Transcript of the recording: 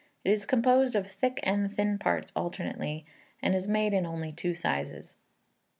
It is composed of thick and thin parts alternately, and is made in only two sizes.